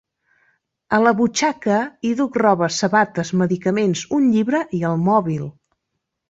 A la butxaca hi duc roba, sabates, medicaments, un llibre i el mòbil!